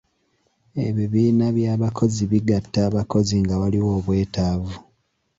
Ebibiina by'abakozi bgatta abakozi nga waliwo obwetaavu.